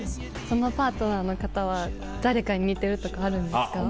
そのパートナーの方は誰かに似てるとかあるんですか？